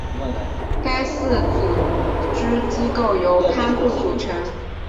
该寺组织机构由堪布组成。